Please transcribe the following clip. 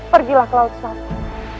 pergilah ke laut selatan